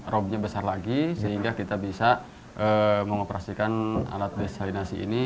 robnya besar lagi sehingga kita bisa mengoperasikan alat desainasi ini